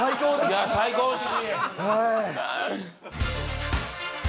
いや最高っす。